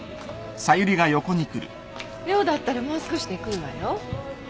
涼だったらもう少しで来るわよ。